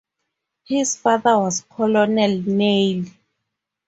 His father was Colonel Neill.